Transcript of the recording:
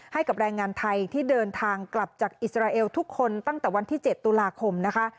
ให้กับแรงงานไทยที่เดินทางกลับจากอิสราเอลทุกคนตั้งแต่วันที่๗ตุลาคมนะคะ